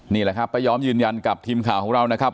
นี่แหละครับป้ายอมยืนยันกับทีมข่าวของเรานะครับ